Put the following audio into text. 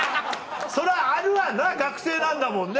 そりゃあるわな学生なんだもんね。